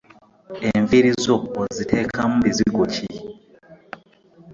Enviiri zo oziteekamu bizigo ki?